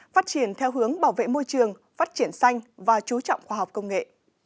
phát triển theo hướng bảo vệ môi trường phát triển xanh và chú trọng khoa học công nghệ